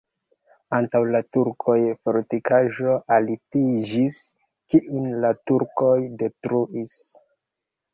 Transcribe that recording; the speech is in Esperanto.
Antaŭ la turkoj fortikaĵo altiĝis, kiun la turkoj detruis.